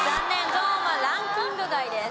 ＺＯＮＥはランキング外です。